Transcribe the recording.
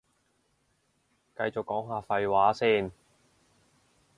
繼續講下廢話先